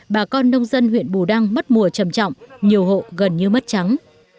bà con nông dân huyện bù đăng mất mùa trầm trọng nhiều hộ gần như mất trắng